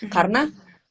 karena harus dimaklumin